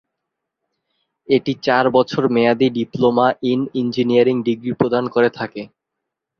এটি চার বছর মেয়াদী ডিপ্লোমা ইন ইঞ্জিনিয়ারিং ডিগ্রি প্রদান করে থাকে।